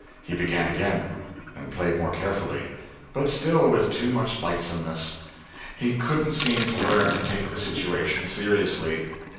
He began again, and played more carefully, but still with too much lightsomeness; he couldn't seem to learn to take the situation seriously.